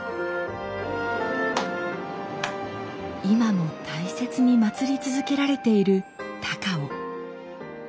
今も大切に祀り続けられている高尾。